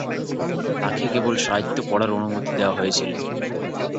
তাকে কেবল সাহিত্য পড়ার অনুমতি দেওয়া হয়েছিল।